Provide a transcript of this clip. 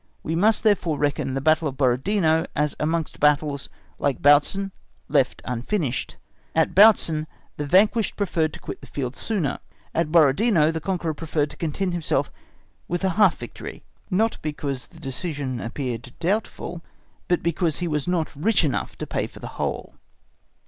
We must therefore reckon the Battle of Borodino as amongst battles, like Bautzen, left unfinished. At Bautzen the vanquished preferred to quit the field sooner; at Borodino the conqueror preferred to content himself with a half victory, not because the decision appeared doubtful, but because he was not rich enough to pay for the whole.